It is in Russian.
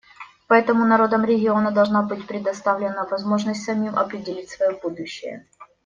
Поэтому народам региона должна быть предоставлена возможность самим определить свое будущее.